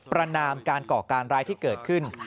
ประนามการก่อการร้ายที่เกิดขึ้น